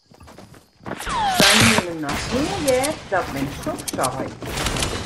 Wy hiene noch nea heard dat mem soks sei.